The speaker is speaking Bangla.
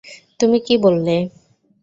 তুমি কি বললে?